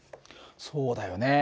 そうだよね。